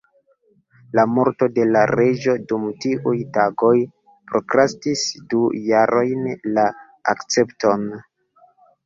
La morto de la reĝo dum tiuj tagoj prokrastis du jarojn la akcepton.